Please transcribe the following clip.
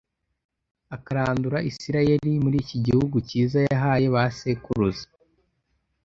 akarandura Isirayeli muri iki gihugu cyiza yahaye ba sekuruza